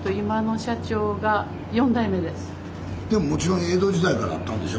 でももちろん江戸時代からあったんでしょ